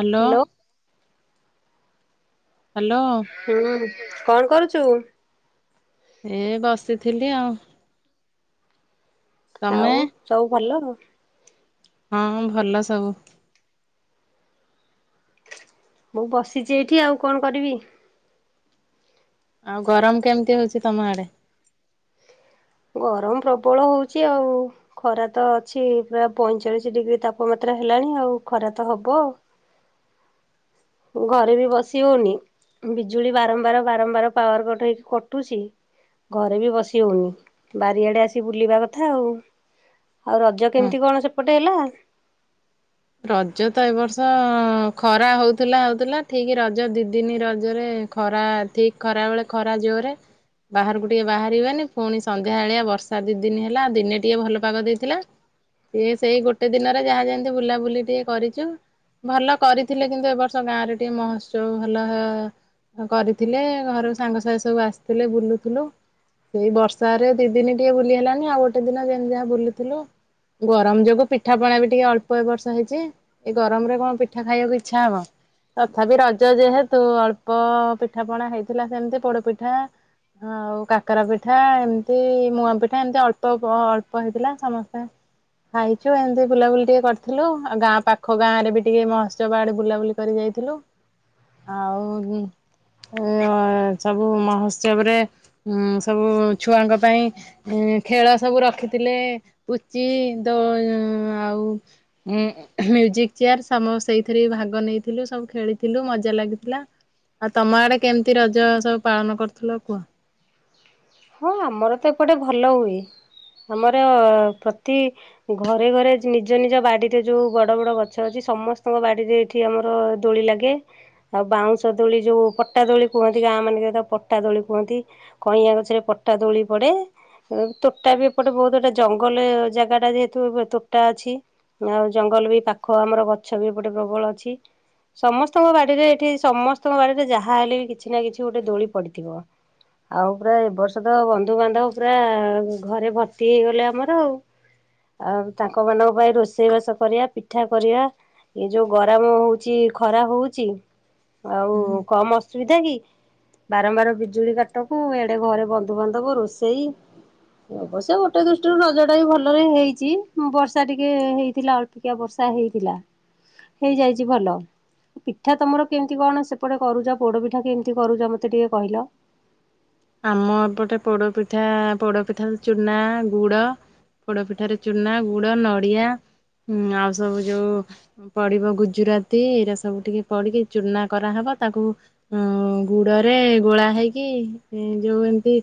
Hello hello hello ହୁଁ କଣ କରୁଛୁ? ଏ ବସିଥିଲି ଆଉ ତମେ ଆଉ ସବୁ ଭଲ? ହଁ ଭଲ ସବୁ। ମୁଁ ବସିଛି ଏଇଠି ଆଉ କଣ କରିବି। ଆଉ ଗରମ କେମିତି ହଉଛି ତମ ଆଡେ? ଗରମ ପ୍ରବଳ ହଉଛି ଆଉ। ଖରା ତ ଅଛି ପୁରା ପଇଁଚାଳିଶ ଡିଗ୍ରୀ ତାପମାତ୍ରା ହେଲାଣି ଆଉ ଖରା ତ ହବ। ଘରେ ବି ବସି ହଉନି ବିଜୁଳି ବାରମ୍ବାର ବାରମ୍ବାର ପାୱାର କଟ ହେଇକି କଟୁଛି। ଘରେ ବି ବସି ହେଉନି ବାରିଆଡ଼େ ଆସି ବୁଲିବା କଥା ଆଉ। ଆଉ ରଜ ହଁ କେମିତି କଣ ସେପଟେ ହେଲା? ରଜ ତ ଏ ବର୍ଷ ଖରା ହଉଥିଲା ହଉଥିଲା ଠିକ ରଜ ଦି ଦିନି ରଜରେ ଖରା ଠିକ୍ ଖରାବେଳେ ଖରା ଜୋରରେ ବାହାରକୁ ଟିକେ ବାହାର ହୁଏନି ପୁଣି ସନ୍ଧ୍ୟା ଏଳିଆ ବର୍ଷା ଦି ଦିନ ହେଲା ଦିନେ ଟିକେ ଭଲ ପାଗ ଦେଇଥିଲା। ଇଏ ସେଇ ଗୋଟେ ଦିନରେ ଯାହା ଯେମତି ବୁଲାବୁଲି ଟିକେ କରିଛୁ। ଭଲ କରିଥିଲେ କିନ୍ତୁ ଏବ ବର୍ଷ ଗାଁରେ ଟିକେ ମହୋତ୍ସବ ଭଲ ହ କରିଥିଲେ ଘର ସାଙ୍ଗ ସାଥି ସବୁ ଆସିଥିଲେ ବୁଲୁଥିଲୁ ସେଇ ବର୍ଷାରେ ଦି ଦିନ ଟିକେ ବୁଲି ହେଲାନି ଆଉ ଗୋଟେ ଦିନ ଯେମିତି ଯାହା ବୁଲିଥିଲୁ। ଗରମ ଯୋଗୁ ପିଠାପଣା ବି ଟିକେ ଅଳ୍ପ ବର୍ଷ ହେଇଛି ଏଇ ଗରମ ରେ କଣ ପିଠା ଖାଇବାକୁ ଇଚ୍ଛା ହବ। ତଥାପି ରଜ ଯେହେତୁ ଅଳ୍ପ ପିଠା ପଣା ହେଇଥିଲା ସେମିତି ପୋଡପିଠା। ଆଉ କାକରା ପିଠା ଏମିତି ମୁଆ ପିଠା ଏମତି ଅଳ୍ପ ଅଳ୍ପ ହେଇଥିଲା ସମସ୍ତେ ଖାଇଛୁ ଏମିତି ବୁଲାବୁଲି ଟିକେ କରି ଥିଲୁ ଆଉ ଗାଁ ପାଖ ଗାଁରେ ବି ଟିକେ ମହୋତ୍ସବ ଆଡେ ବୁଲାବୁଲି କରି ଯାଇଥିଲୁ। ଆଉ ସବୁ ମହୋତ୍ସବରେ ଉଁ ସବୁ ଛୁଆଙ୍କ ପାଇଁ ଖେଳ ସବୁ ରଖିଥିଲେ ପୁଚି ଦୋ ଆଉ ଉଁ ହୁଁ ମୁଜିକ ଚେୟାର ସମ୍ ସେଇଥିରେ ଭାଗ ନେଇଥିଲୁ ସବୁ ଖେଳିଥିଲୁ ମଜା ଲାଗିଥିଲା। ଆଉ ତମ ଆଡେ କେମିତି ରଜ ସବୁ ପାଳନ କରୁଥିଲ କୁଅ? ହଁ ଆମର ତ ଏପଟେ ଭଲ ହୁଏ ଆମର ପ୍ରତି ଘରେ ଘରେ ନିଜ ନିଜ ବାଡିରେ ଯୋଉ ବଡ ବଡ ଗଛ ଅଛି ସମସ୍ତଙ୍କ ବାଡିରେ ଏଠି ଆମର ଦୋଳି ଲାଗେ। ଆଉ ବାଉଁଶ ଦୋଳି ଯୋଉ ପଟା ଦୋଳି କୁହନ୍ତି ଗାଁମାନଙ୍କରେ ତାକୁ ପଟା ଦୋଳି କୁହନ୍ତି। କଇଁଆ ଗଛରେ ପଟା ଦୋଳି ପଡେ। ଉଁ ତୋଟା ବି ଏପଟେ ବହୁତ ଗୋଟେ ଜଙ୍ଗଲ ଜାଗା ଟା ଯେହେତୁ ତୋଟା ଅଛି। ଆଉ ଜଙ୍ଗଲ ବି ପାଖ ଆମର ଗଛ ବି ଏପଟେ ପ୍ରବଳ ଅଛି। ସମସ୍ତଙ୍କ ବାଡିରେ ଏଠି ସମସ୍ତଙ୍କ ବାଡିରେ ଯାହାହଲେ ବି କିଛି ନା କିଛି ଗୋଟେ ଦୋଳି ପଡିଥିବ। ଆଉ ପୁରା ଏ ବର୍ଷ ତ ବନ୍ଧୁବାନ୍ଧବ ପୁରା ଘରେ ଭର୍ତ୍ତି ହେଇଗଲେ ଆମର ଆଉ। ଆଉ ତାଙ୍କମାନଙ୍କ ପାଇଁ ରୋଷେଇବାସ କରିଆ, ପିଠା କରିବା। ଏ ଯୋଉ ଗରାମ ହଉଛି, ଖରା ହଉଛି ଆଉ କମ ଅସୁବିଧା କି? ବାରମ୍ବାର ବିଜୁଳି କାଟକୁ ଇଆଡେ ଘରେ ବ ବନ୍ଦକରୁ ରୋଷେଇ ଅବଶ୍ୟ ଗୋଟେ ଦୃଷ୍ଟିରୁ ରଜଟା ବି ଭଲରେ ହେଇଛି। ବର୍ଷା ଟିକେ ହେଇଥିଲା ଅ କିଆ ବର୍ଷା ହେଇଥିଲା, ହେଇଯାଇଛି ଭଲ। ପିଠା ତମର କେମିତି କଣ ସେପଟେ କରୁଛ, ପୋଡ ପିଠା କେମିତି କରୁଛ ମତେ ଟିକେ କହିଲ? ଆମ ଏପଟେ ପୋଡପିଠା, ପୋଡପିଠାରେ ଚୁନା ଗୁଡ଼ ପୋଡ ପିଠାରେ ଚୁନା, ଗୁଡ, ନଡିଆ, ଉଁ ଆଉ ସବୁ ଯୋଉ ପଡିବ ଗୁଜୁରାତି, ଏରା ସବୁ ଟିକେ ପଡିକି ଚୁନା କରାହେବ ତାକୁ ଅଁ ଗୁଡରେ ଗୋଳା ହେଇକି, ଯୋଉ ଏମତି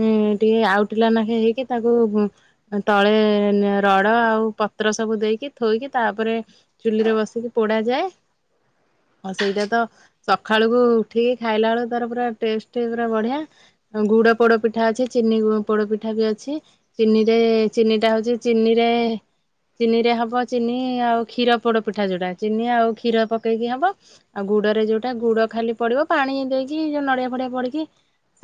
ହୁଁ, ଟିକେ ଆଉଟିଲା ନେଖେ ହେଇକି ତାକୁ ତଳେ ରଡ ଆଉ ପତ୍ର ସବୁ ଦେଇକି, ଥୋଇକି ତାପରେ ଚୁଲିରେ ବସିକି ପୋଡା ଯାଏ। ଅ, ସେଇଟାତ ସକାଳୁକୁ ଉଠିକି ଖାଇଲା ବେଳକୁ ତାର ପୁରା, ଟେଷ୍ଟ ପୁରା ବଢିଆ। ଗୁଡ ପୋଡପିଠା ଅଛି, ଚିନି ପୋଡପିଠା ବି ଅଛି। ଚିନିରେ, ଚିନିଟା ହଉଚି ଚିନିରେ ଚିନିରେ ହବ। ଚିନି ଆଉ କ୍ଷୀର ପୋଡ ପିଠା ଯୋଟା, ଚିନି ଆଉ କ୍ଷୀର ପକେଇକି ହବ। ଆଉ ଗୁଡ଼ରେ ଯେଉଟା, ଗୁଡ଼ ଖାଲି ପଡ଼ିବ। ପାଣି ଦେଇକି ଯୋଉ ନଡ଼ିଆ ଫଡ଼ିଆ ପଡ଼ିକି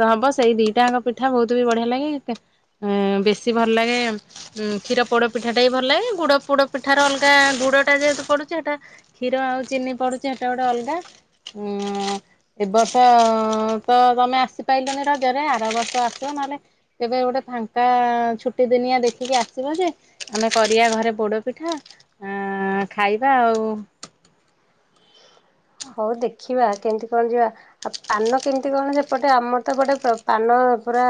ତ ହବ। ସେଇ ଦିଟା ଜାକ ପିଠା ବହୁତିବି ବଢିଆ ଲାଗେ। ଏ ବେଶୀ ଭଲ ଲାଗେ ହୁଁ କ୍ଷୀର ପୋଡ ପିଠାଟା ବି ଭଲ ଲାଗେ। ଗୁଡ ପୋଡ ପିଠାର ଅଲଗା, ଗୁଡଟା ଯେହେତୁ ପଡୁଛି ହେଟା କ୍ଷୀର ଆଉ ଚିନି ପଡୁଛି, ହେଟା ଗୋଟେ ଅଲଗା। ଉଁ ଏ ବର୍ଷ ତ ତମେ ଆସି ପାଇଲୁନି ରଜରେ। ଆର ବର୍ଷ ଆସିବ ମାନେ କେବେ ଗୋଟେ ଫାଣ୍ଟା ଛୁଟିଦିନିଆ ଦେଖିକି ଆସିବ ଯେ ଆମେ କରିଆ ଘରେ ପୋଡ଼ପିଠା ଆଁ ଖାଇବା ଆଉ। ହଉ ଦେଖିବା, କେମିତି କଣ ଯିବା। ଆଉ ପାନ କେମିତି କଣ ସେପଟେ, ଆମର ତ ଗୋଟେ ପାନ ପୁରା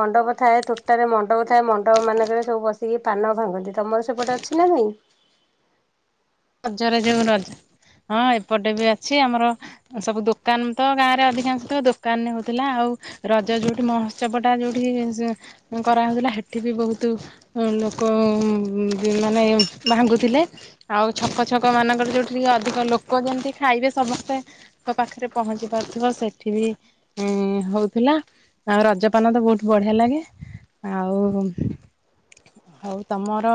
ମଣ୍ଡପ ଥାଏ, ତୋଟାରେ ମଣ୍ଡପ ଥାଏ, ମଣ୍ଡପ ମାନଙ୍କରେ ସବୁ ବସିକି ପାନ ଭାଙ୍ଗନ୍ତି। ତମର ସେପଟେ ଅଛି ନା ନାଇଁ? ରଜରେ ଯୋଉ ରଜ, ହଁ ଏପଟେ ବି ଅଛି। ଆମର ସବୁ ଦୋକାନତ ଗାଁରେ ଅଧିକାଂଶ ତ ଦୋକାନରେ ହଉଥିଲା। ଆଉ ରଜ ଯୋଉଠି ମହୋତ୍ସବଟା ଯୋଉଠି ଯେ କରାହଉଥିଲା, ହେଠି ବି ବହୁତ ହୁଁ ଲୋକ ମାନେ ଭାଙ୍ଗୁଥିଲେ। ଆଉ ଛକ ଛକ ମାନଙ୍କରେ, ଯୋଉଠିକି ଅଧିକ ଲୋକ ଯେମିତି ଖାଇବେ ସମସ୍ତେ ତାଙ୍କ ପାଖରେ ପହଞ୍ଚି ପାରୁଥିବ, ସେଠିବି ଇଁ ହଉଥିଲା। ଆଉ ରଜପାନ ତ ବହୁତ ବଢିଆ ଲାଗେ। ଆଉ ହଉ ତମର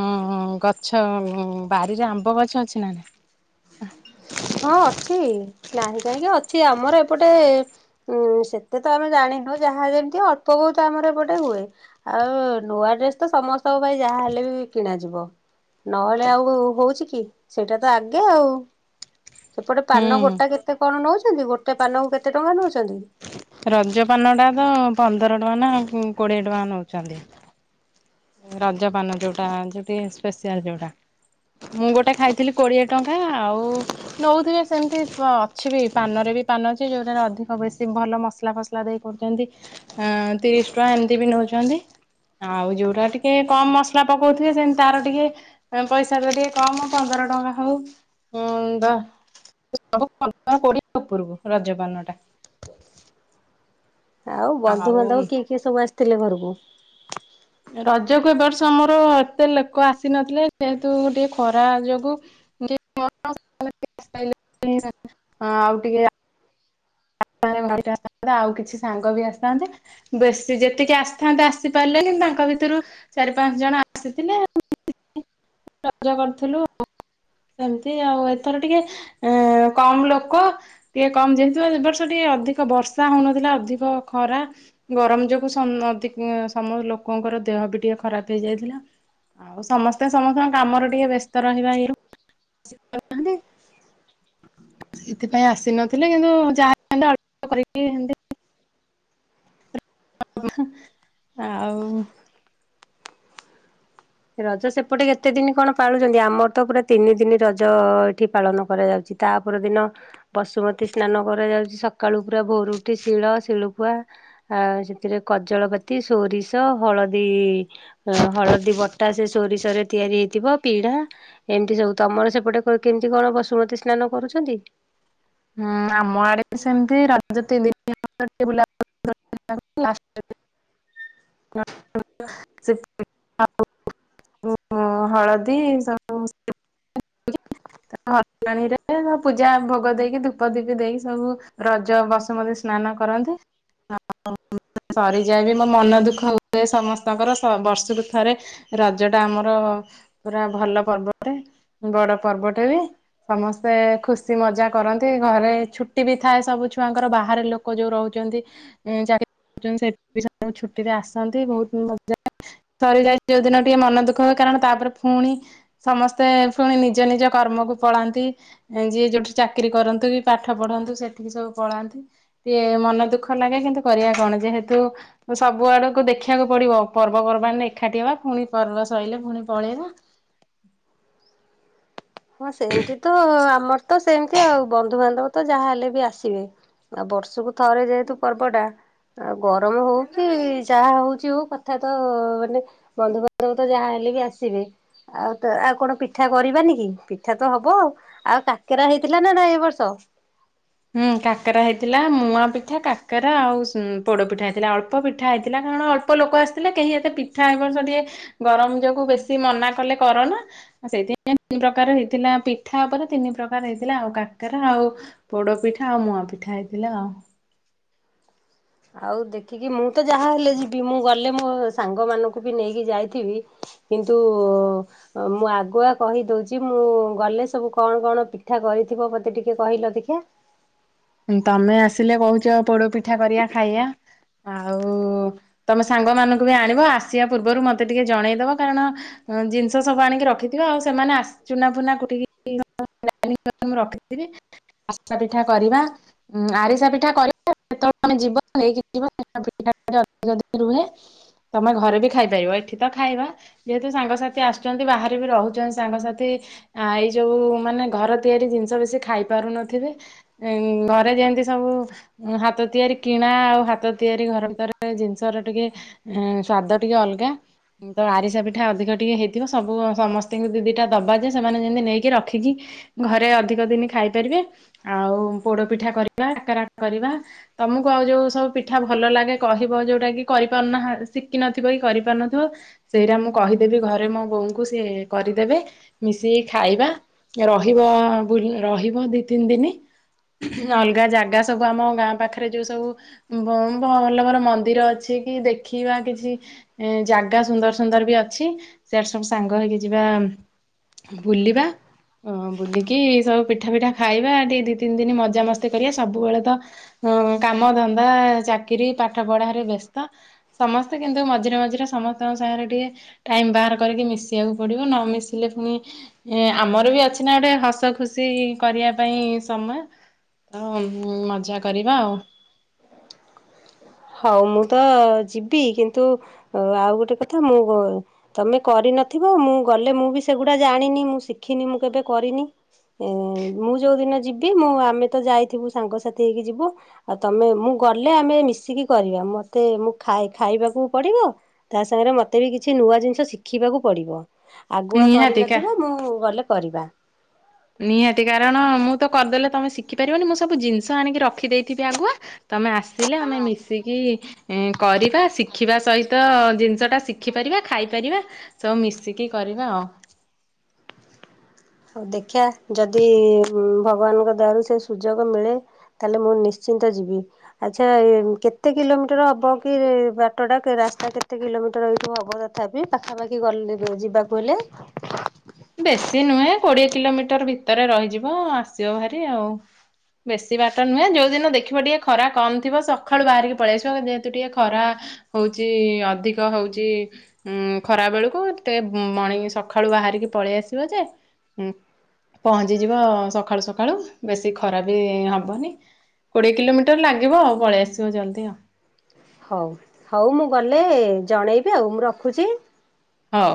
ଅଁ ଗଛ ଅଁ ବାରିରେ ଆମ୍ବ ଗଛ ଅଛି ନା? ହଁ ଅଛି, ନାହିଁ କାହିଁକି ଅଛି, ଆମର ଏପଟେ ଉଁ ସେତେତ ଆମେ ଜାଣିନୁ, ଯାହା ଯେମିତି ଅଳ୍ପ ବହୁତ ଆମର ଏପଟେ ହୁଏ। ଆଉ ନୂଆ ଡ୍ରେସ ତ ସମସ୍ତଙ୍କ ପାଇଁ ଯାହାହେଲେବି କିଣା ଯିବ। ନହେଲେ ଆଉ ହଉଛି କି ସେଇଟା ତ ଆଗେ ଆଉ ସେପଟେ ପାନ ଗୋଟା ହୁଁ କେତେ କଣ ନଉଚନ୍ତି, ଗୋଟେ ପାନକୁ କେତେ ଟଙ୍କା ନଉଚନ୍ତି? ରଜପାନଟା ତ ପନ୍ଦର ଟଙ୍କା ନା କୋଡ଼ିଏ ଟଙ୍କା ନଉଚନ୍ତି। ରଜପାନ ଯୋଉଟା, ଯେଉଠି ସ୍ପେସିଆଲ୍ ଯୋଉଟା। ମୁଁ ଗୋଟେ ଖାଇଥିଲି କୋଡିଏ ଟଙ୍କା। ଆଉ ନଉଥିବେ ସେମିତିକି ଅଛିବି, ପାନରେ ବି ପାନ ଅଛି, ଯୋଉଥିରେ ଅଧିକ ବେଶୀ ଭଲ ମସଲା ଫସ ଲା ଦେଇ କରୁଛନ୍ତି ଆଁ ତିରିଶ ଟଙ୍କା ଏମିତି ବି ନଉଛନ୍ତି ଆଉ ଯୋଉରା ଟିକେ କମ ମସଲା ପକଉଥିବେ, ସେମିତି ତାର ଟିକେ ପଇସା ଟା ଟିକେ କମ ପନ୍ଦର ଟଙ୍କା ହଉ ହଁ [unintelligible] ଉପରକୁ ରଜପାନ ଟା। ଆଉ ବନ୍ଧୁବାନ୍ଧବ ଆଉ କିଏ କିଏ ସବୁ ଆସିଥିଲେ ଘରକୁ? ରଜକୁ ଏ ବର୍ଷ ଆମର ଏତେ ଲୋକ ଆସିନଥିଲେ ଯେହେତୁ ଟିକେ ଖରା ଯୋଗୁ [unintelligible] ଆଉ ଟିକେ [unintelligible] ଆଉ କିଛି ସାଙ୍ଗ ବି ଆସିଥାନ୍ତେ। ବେଶୀ ଯେତିକି ଆସିଥାନ୍ତେ ଆସିପାରିଲେନି ତାଙ୍କ ଭିତରୁ ଚାରି ପାଞ୍ଚ ଜଣ ଆସିଥିଲେ [unintelligible] ରଜ କରଥିଲୁ। ସେମିତି ଆଉ ଏଥର ଟିକେ ଅ କମ ଲୋକ ଟିକେ କମ ଜିନିଷ ଏ ବର୍ଷ ସେଠି ଅଧିକ ବର୍ଷା ହେଉନଥିଲା ଅଧିକ ଖରା ଗରମ ଯୋଗୁ ସମ ଅଧି ସମ ଲୋକଙ୍କର ଦେହ ବି ଟିକେ ଖରାପ ହେଇଯାଇଥିଲା। ଆଉ ସମସ୍ତେ ସମସ୍ତଙ୍କ କାମରେ ଟିକେ ବ୍ୟସ୍ତ ରହିବା ଇଏ ସେଥିପାଇଁ ଆସିନଥିଲେ କିନ୍ତୁ ଯାହା ହେଲେ ଅଳ୍ପ କରିକି ଏମିତି ଆଉ ରଜ ସେପଟେ କେତେ ଦିନି କଣ ପାଳୁଛନ୍ତି ଆମର ତ ପୁରା ତିନି ଦିନି ରଜ ଏଠି ପାଳନ କରାଯାଉଛି। ତା ପରଦିନ ବଶୁମତୀ ସ୍ନାନ କରାଯାଉଛି ସକାଳୁ ପୁରା ଭୋରୁଉଠି ଶିଳ ଶିଳୁପୁଆ ଆଉ ସେଥିରେ କଜଳପାତି ସୋରିଷ ହଳଦୀ ହଳଦୀ ବଟ ଟା ସେ ସୋରିଷ ରେ ତିଆରି ହେଇଥିବ ପିଢା ଏମିତି ସବୁ ତମର ସେପଟେ କେମିତି କଣ ବସୁମତୀ ସ୍ନାନ କରୁଛନ୍ତି? ହୁଁ ଆମ ଆଡେ ବି ସେମତି ରଜ ତିନି ଦିନି [unintelligible] [unintelligible] [unintelligible] ଆଉ ହଳଦୀ ସ ହଳଦୀ ପାଣିରେ ପୂଜା ଭୋଗ ଦେଇକି ଧୂପ ଦୀପ ଦେଇକି ସବୁ ରଜ ବସୁମତୀ ସ୍ନାନ କରନ୍ତି। ସରିଯାଏ ବି ମୋ ମନ ଦୁଃଖ ହୁଏ ସମସ୍ତଙ୍କର ସ ବର୍ଷକୁ ଥରେ ରଜ ଟା ଆମର ପୁରା ଭଲ ପର୍ବଟେ ବଡ ପର୍ବଟେ ବି। ସମସ୍ତେ ଖୁସି ମଜା କରନ୍ତି ଘରେ ଛୁଟି ବି ଥାଏ ସବୁ ଛୁଆଙ୍କର ବାହାରେ ଲୋକ ଲୋକ ଯୋଉ ରହୁଛନ୍ତି [unintelligible] ଛୁଟିରେ ଆସନ୍ତି ବୋହୁତ ମଜା ଥରେ ଯାଇଥିଲି ଯୋଉ ଦିନ ଟିକେ ମନ ଦୁଃଖ ହୁଏ କାରଣ ତାପରେ ପୁଣି ସମସ୍ତେ ପୁଣି ନିଜ ନିଜ କର୍ମକୁ ପଳାନ୍ତି। ଯିଏ ଯୋଉଠି ଚାକିରି କରନ୍ତୁ କି ପାଠ ପଢନ୍ତୁ ସେଠିକି ସବୁ ପଳାନ୍ତି। ଟିକେ ମନ ଦୁଃଖ ଲାଗେ କିନ୍ତୁ କରିବା କଣ ଯେହେତୁ ସବୁ ଆଡକୁ ଦେଖିବାକୁ ପଡିବ ପର୍ବପର୍ବାଣରେ ଏକାଠି ହେବା ପୁଣି ପର୍ବ ସଇଲେ ପୁଣି ପଳେଇବା। ହଁ ସେମିତି ତ ଆମର ତ ସେମିତି ଆଉ ବନ୍ଧୁବାନ୍ଧବ ତ ଯାହାହେଲେ ବି ଆସିବେ। ଆଉ ବର୍ଷକୁ ଥରେ ଯେହେତୁ ପର୍ବଟା ଆଉ ଗରମ ହଉ କି ଯାହା ହଉଛି ହଉ କଥା ତ ମାନେ ବନ୍ଧୁବାନ୍ଧବ ତ ଯାହା ହେଲେ ବି ଆସିବେ ଆଉ ଆଉ କଣ ପିଠା କରିବାନି କି। ପିଠା ତ ହବ ଆଉ କାକେରା ହେଇଥିଲା ନା ନାଇଁ ଏ ବର୍ଷ। ହୁଁ କାକେରା ହେଇଥିଲା ମୁଁଆ ପିଠା କାକେରା ଆଉ ପୋଡପିଠା ହେଇଥିଲା ଅଳ୍ପ ପିଠା ହେଇଥିଲା କାରଣ ଅଳ ଅଳ୍ପ ଲୋକ ଆସିଥିଲେ କେହି ଏତେ ପିଠା ଏ ବର୍ଷ ଟିକେ ଗରମ ଯୋଗକୁ ବେଶୀ ମନା କଲେ କରନା। ସେଇଥିାଇଁ ତିନି ପ୍ରକାର ହେଇଥିଲା ପିଠା ଉପରେ ତିନି ପ୍ରକାର ହେଇଥିଲା ଆଉ କାକେରା ଆଉ ପୋଡ଼ ପିଠା ଆଉ ମୁୂଆଁ ପିଠା ହେଇଥିଲା ଆଉ। ଆଉ ଦେଖିକି ମୁଁ ତ ଯାହାହେଲେ ଯିବି ମୁଁ ଗଲେ ମୋ ସାଙ୍ଗମାନଙ୍କୁ ବି ନେଇକି ଯାଇଥିବି କିନ୍ତୁ ମୁଁ ଆଗୁଆ କହିଦଉଚି ମୁଁ ଗଲେ ସବୁ କଣ କଣ ପିଠା କରିଥିବ ମୋତେ ଟିକେ କହିଲ ଦେଖିଆ। ତମେ ଆସିଲେ କହୁଛ ପୋଡ ପିଠା କରିବା ଖାଇବା ଆଉ ତମେ ସାଙ୍ଗ ମାନଙ୍କୁ ବି ଆଣିବ ଆସିବା ପୂର୍ବରୁ ମତେ ଟିକେ ଜଣେଇଦବ କାରଣ ଜିନିଷ ସବୁ ଆଣିକି ରଖିଥିବା ଆଉ ସେମାନେ ଆ ଚୁନା ଫୁନା କୁଟିକି [unintelligible] ଗ୍ରାଇଣ୍ଡିଙ୍ଗ କରିକି ରଖିଥିବି ଆରିସା ପିଠା କରିବା। [unintelligible] ତମେ ଘରେ ବି ଖାଇ ପାରିବ। ଏଠି ତ ଖାଇବା ଯେହେତୁ ସାଙ୍ଗ ସାଥୀ ଆସୁଛନ୍ତି। ବାହାରେ ବି ରହୁଛନ୍ତି। ସାଙ୍ଗ ସାଥୀ ଆ ଏଇ ଯୋଉ ମାନେ ଘର ତିଆରି ଜିନିଷ ବେଶି ଖାଇ ପାରୁନଥିବେ। ହୁଁ। ଘରେ ଯେମତି ସବୁ ହାତ ତିଆରି କିଣା, ଆଉ ହାତ ତିଆରି ଘର ଭିତରେ ଜିନିଷର ଟିକେ ହୁଁ। ସ୍ୱାଦ ଟିକେ ଅଲଗା। ତ ଆରିସା ପିଠା ଅଧିକ ଟିକେ ହେଇଥିବ। ସବୁ ସମସ୍ତଙ୍କୁ ଦି ଦିଟା ଦବା ଯେ, ସେମାନେ ଯେମିତି ନେଇକି ରଖିକି। ଘରେ ଅଧିକ ଦିନି ଖାଇ ପାରିବେ। ଆଉ ପୋଡ଼ ପିଠା କରିବା। କାକାର କରିବା। ତମକୁ ଆଉ ଯୋଉ ସବୁ ପିଠା ଭଲ ଲାଗେ କହିବ। ଯୋଉଟା କି କରି ପାରୁନାହାନ୍ତି। ଶିଖିି ନଥିବ କି କରି ପାରୁନଥିବ। ସେଇରା ମୁଁ କହି ଦେବି। ଘରେ ମୋ ବୋଉଙ୍କୁ ସିଏ କରି ଦେବେ। ମିଶିକି ଖାଇବା। କି ଆଉ ରହିବ। ବୁଲ୍ ରହିବ ଦି ତିନି ଦିନି। ଅଲଗା ଜାଗା ସବୁ ଆମ ଗାଁ ପାଖରେ ଯୋଉ ସବୁ ଭମ୍ ଭଲ ଭଲ ମନ୍ଦିର ଅଛି। କି ଦେଖିବା କିଛି। ଏ ଜାଗା ସୁନ୍ଦର ସୁନ୍ଦର ବି ଅଛି। ସିଆଡେ ସବୁ ସାଙ୍ଗ ହେଇକି ଯିବା। ବୁଲିବା। ହଁ ହଁ। ବୁଲିକି ସବୁ ପିଠା ପିଠା ଖାଇବା। ଦି ଦି ତିନି ଦିନ୍ ମ ଜା ମସ୍ତି କରିବା। ସବୁବେଳେ ତ କାମ, ଧନ୍ଦା, ଚାକିରି, ପାଠ ପଢ଼ାରେ ବ୍ୟସ୍ତ। ସମସ୍ତେ କିନ୍ତୁ, ମଝିରେ ମଝିରେ ସମସ୍ତଙ୍କ ସାଙ୍ଗରେ ଟିକେ ଟାଇମ୍ ବାହାର କରିକି ମିଶିବାକୁ ପଢ଼ିବ। ନ ମିିଶିଲେ ଫୁଣି ଏ ଆମର ବି ଅଛି ନା ଗୋଟେ? ହସ ଖୁସି କରିବା ପାଇଁ ସମୟ। ହଁ। ମଜା କରିବା ଆଉ। ହଉ ମୁଁ ତ ଯିବି। କିନ୍ତୁ, ଆଉ ଗୋଟେ କଥା ମୁଁ ତମେ କରି ନଥିବ। ମୁଁ ଗଲେ। ମୁଁ ବି ସେଗୁଡ଼ା ଜାଣିନି। ମୁଁ ଶିଖିନି। ମୁଁ କେବେ କରିନି। ଉଁ ମୁଁ ଯୋଉ ଦିନ ଯିବି‌ ମୁଁ ଆମେ ତ ଯାଇଥିବୁ ସାଙ୍ଗ ସାଥୀ ହେଇକି ଯିବୁ। ଆଉ ତମେ ମୁଁ ଗଲେ ଆମେ ମିଶିକି କରିବା। ମତେ ମୁଁ ଖାଏ ଖାଇବାକୁ ପଡିବ। ତା ସାଙ୍ଗେରେ ମତେ ବି କିଛି ନୂଆ ଜିନିଷ ଶିଖିବାକୁ ପଡିବ। ଆଗୁଆ କରି ନିହାତିକା ନଥିବ ମୁଁ ଗଲେ କରିବା। ନିହାତି। କାରଣ ମୁଁ ତ କରିଦେଲେ ତମେ ଶିଖି ପାରିବନି। ମୁଁ ସବୁ ଜିନିଷ ଆଣିକି ର ଖି ଦେଇଥିବି ଆଗୁଆ। ତମେ ଆସିଲେ ଆମେ ମିଶିକି। ଏଁ କରିବା। ଶିଖିବା ସହିତ। ଜିନିଷଟା ଶିଖି ପାରିବା। ଖାଇ ପାରିବା। ସବୁ ମିଶିକି କରିବା ଆଉ। ହଉ ଦେଖିଆ ଯଦି ଭଗବାନଙ୍କ ଦୟାରୁ ସେ ସୁଯୋଗ ମିଳେ। ତାହେଲେ ମୁଁ ନିଶ୍ଚିନ୍ତ ଯିବି। ଆଚ୍ଛା। ଏ କେତେ କିଲୋମିଟର ହବ କି ଏ ବାଟ ଟା କେ ରାସ୍ତା କେତେ କିଲୋମିଟର ଏଇଠୁ ହବ। ତଥାପି ପାଖାପାଖି ଗଲ ଯିବାକୁ ହେଲେ? ବେଶୀ ନୁହେଁ। କୋଡିଏ କିଲୋମିଟର ଭିତରେ ରହିଯିବ। ଆସିବ ଭାରି ଆଉ। ବେଶୀ ବାଟ ନୁହେଁ। ଯୋଉ ଦିନ ଦେଖିବ ଟିକେ ଖରା କମ୍ ଥିବ। ସକାଳୁ ବାହାରିକି ପଳେଇ ଆସିବ। ଯେହେତୁ ଟିକେ ଖରା। ହୋଉଚି ଅଧିକ ହଉଚି। ଉଁ ଖରା ବେଳକୁ ତେ ମର୍ଣି ସଖାଳୁ ବାହାରିକି ପଳେଇ ଆସିବ। ଯେ ଉଁ। ପହଞ୍ଚି ଯିବ ସକାଳୁ ସକାଳୁ। ବେଶୀ ଖରା ବି ହବନି। କୋଡିଏ କିଲୋମିଟର ଲାଗିବ ଆଉ। ପଳେଇ ଆସିବ ଜଲ୍ଦି ଆଉ। ହଉ। ହଉ ମୁଁ ଗଲେ ଜଣେଇବି ଆଉ ମୁଁ ରଖୁଛି। ହଉ।